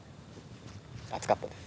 熱かったです。